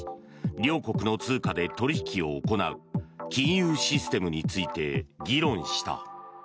両国の通貨で取引を行う金融システムについて議論した。